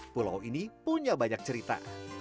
pulau ini punya banyak cerita